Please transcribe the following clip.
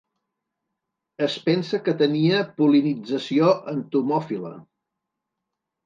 Es pensa que tenia pol·linització entomòfila.